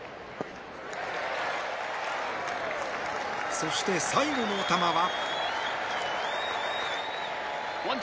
そして、最後の球は。